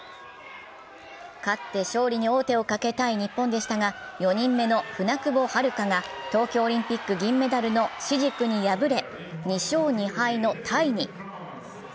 勝って勝利に王手をかけた日本でしたが４人目の舟久保遥香が東京オリンピック銀メダルのシジクに敗れ２勝２敗のタイに。